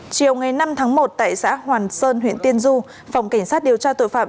chiều ngày năm tháng một tại xã hoàn sơn huyện tiên du phòng cảnh sát điều tra tội phạm